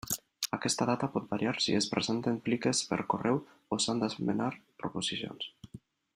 Aquesta data pot variar si es presenten pliques per correu o s'han d'esmenar proposicions.